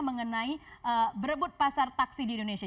mengenai berebut pasar taksi di indonesia